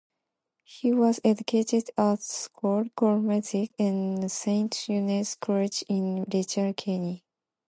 He was educated at Scoil Colmcille and Saint Eunan's College in Letterkenny.